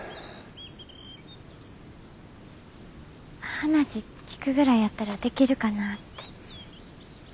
話聞くぐらいやったらできるかなって。